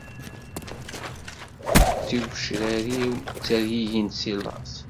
Tigwcrar-iw ttergigint si laẓ.